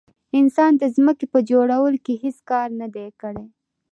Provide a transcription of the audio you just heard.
انسان د ځمکې په جوړولو کې هیڅ کار نه دی کړی.